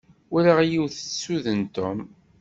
Walaɣ yiwet tessuden Tom.